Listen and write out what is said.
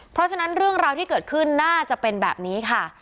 เพราะฉะนั้นเรื่องราวที่เกิดขึ้นน่าจะเป็นแบบนี้ค่ะ